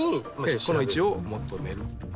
この位置を求める。